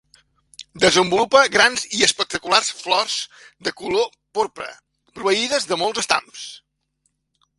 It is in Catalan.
Desenvolupa grans i espectaculars flors de color porpra, proveïdes de molts estams.